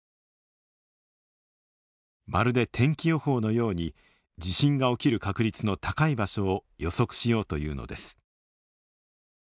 まるで天気予報のように地震が起きる確率の高い場所を予測しようというのです。